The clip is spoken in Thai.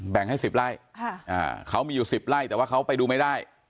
แบ่งให้๑๐ไร่เขามีอยู่๑๐ไร่แต่ว่าเขาไปดูไม่ได้